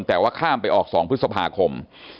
แต่ว่าข้ามไปออก๒พฤษภาคม